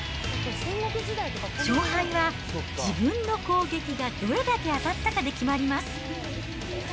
勝敗は自分の攻撃がどれだけ当たったかで決まります。